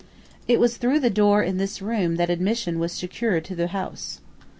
It was through the door in this room that admission was secured to the house.